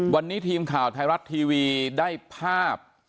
วันนี้ทีมข่าวไทยรัฐทีวีได้ภาพ